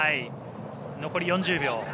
残り４０秒。